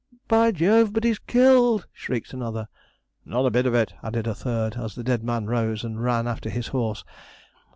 'By Jove! but he's killed!' shrieked another. 'Not a bit of it,' added a third, as the dead man rose and ran after his horse.